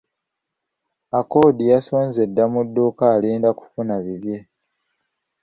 Accord yasonze dda mu dduuka alinda kufuna bibye.